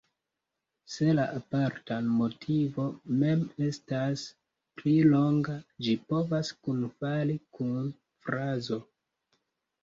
Se la aparta motivo mem estas pli longa, ĝi povas kunfali kun frazo.